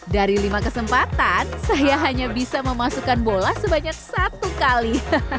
dari lima kesempatan saya hanya bisa memasukkan bola sebanyak satu kali